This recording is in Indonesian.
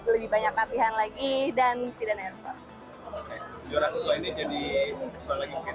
lebih banyak latihan lagi dan tidak nervous